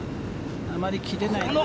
あまり切れないかな。